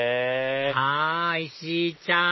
あっ石井ちゃん